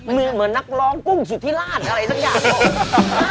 เหมือนนักร้องกุ้งสุธิราชอะไรสักอย่าง